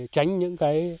tránh những cái